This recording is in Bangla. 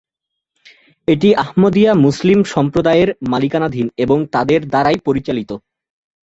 এটি আহমদিয়া মুসলিম সম্প্রদায়ের মালিকানাধীন এবং তাদের দ্বারাই পরিচালিত।